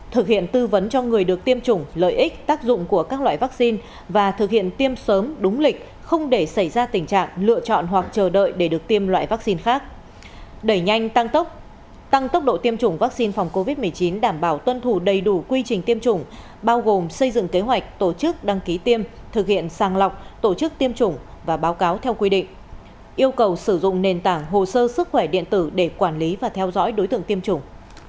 thực hiện tư vấn cho người được tiêm chủng lợi ích tác dụng của các loại vaccine và thực hiện tiêm sớm đúng lịch không để xảy ra tình trạng lựa chọn hoặc chờ đợi để được tiêm loại vaccine khác đẩy nhanh tăng tốc tăng tốc độ tiêm chủng vaccine phòng covid một mươi chín đảm bảo tuân thủ đầy đủ quy trình tiêm chủng bao gồm xây dựng kế hoạch tổ chức đăng ký tiêm thực hiện sàng lọc tổ chức tiêm chủng và báo cáo theo quy định yêu cầu sử dụng nền tảng hồ sơ sức khỏe điện tử để quản lý và theo dõi đối tượng tiêm chủng